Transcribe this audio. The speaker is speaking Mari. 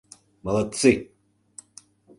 Молодцы!..